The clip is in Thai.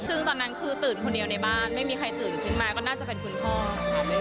ซึ่งตอนนั้นคือตื่นคนเดียวในบ้านไม่มีใครตื่นขึ้นมาก็น่าจะเป็นคุณพ่อ